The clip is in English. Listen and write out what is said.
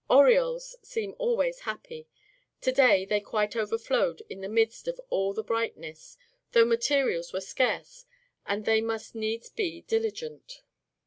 Orioles seem always happy; to day they quite overflowed in the midst of all the brightness, though materials were scarce and they must needs be diligent.